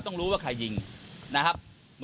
คุณผู้ชมฟังเสียงพี่โจ๊กหน่อยค่ะ